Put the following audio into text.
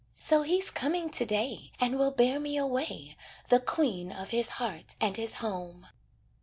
So he's coming to day, And will bear me away The queen of his heart and his home."